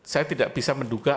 saya tidak bisa menduga